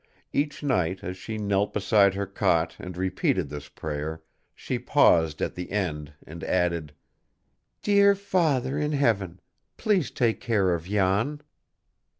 Each night, as she knelt beside her cot and repeated this prayer, she paused at the end, and added: "Dear Father in Heaven, please take care of Jan!"